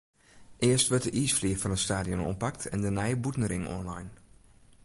Earst wurdt de iisflier fan it stadion oanpakt en de nije bûtenring oanlein.